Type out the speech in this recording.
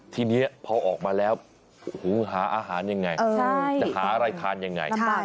ทีนี้พอออกมาแล้วหาอาหารยังไงจะหาอะไรทานยังไง